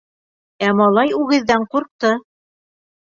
Ә малай үгеҙҙән ҡурҡты.